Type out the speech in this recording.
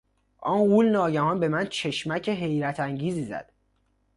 آن غول ناگهان به من چشمک حیرت انگیزی زد.